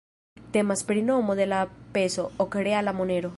Temas pri nomo de la peso, ok-reala monero.